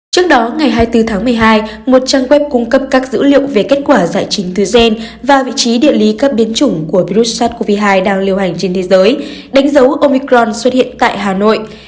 trước đó ngày hai mươi bốn tháng một mươi hai một trang web cung cấp các dữ liệu về kết quả giải trình thư gen và vị trí địa lý các biến chủng của virus sars cov hai đang liều hành trên thế giới đánh dấu omicron xuất hiện tại hà nội